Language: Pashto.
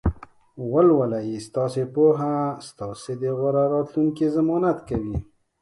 ولولئ! ستاسې پوهه ستاسې د غوره راتلونکي ضمانت کوي.